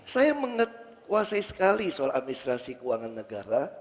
saya menguasai sekali soal administrasi keuangan negara